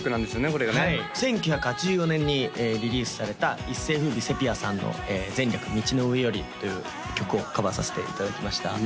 これがね１９８４年にリリースされた一世風靡セピアさんの「前略、道の上より」という曲をカバーさせていただきました